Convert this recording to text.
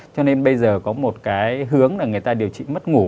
cho nên bây giờ có một cái hướng là người ta điều trị mất ngủ